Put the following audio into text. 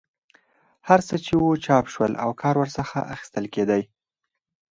هر څه چې وو چاپ شول او کار ورڅخه اخیستل کېدی.